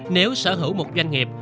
nếu sở hữu một doanh nghiệp